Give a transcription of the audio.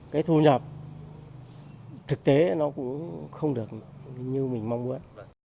cái thu nhập thực tế nó cũng không được như mình mong muốn